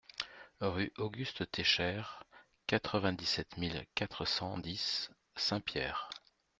Rue Auguste Técher, quatre-vingt-dix-sept mille quatre cent dix Saint-Pierre